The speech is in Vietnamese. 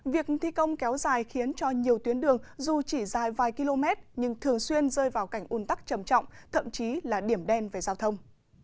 việc thi công kéo dài khiến cho nhiều tuyến đường dù chỉ dài vài km nhưng thường xuyên rơi vào cảnh un tắc trầm trọng thậm chí là điểm đen về giao thông